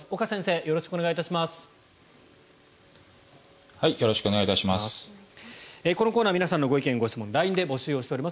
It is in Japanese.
よろしくお願いします。